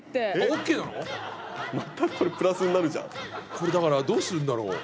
これだからどうするんだろう？